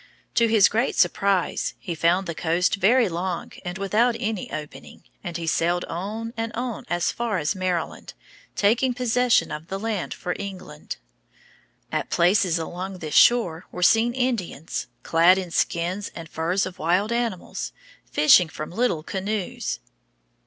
To his great surprise, he found the coast very long and without any opening, and he sailed on and on as far as Maryland, taking possession of the land for England. At places along this shore were seen Indians, clad in skins and furs of wild animals, fishing from little canoes.